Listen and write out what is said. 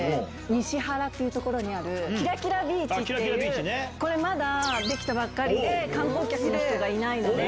西原っていう所にあるきらきらビーチってできたばっかりで観光客の人がいないので。